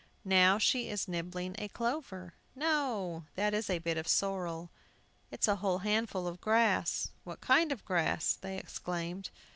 "Now she is nibbling a clover." "No, that is a bit of sorrel." "It's a whole handful of grass." "What kind of grass?" they exclaimed.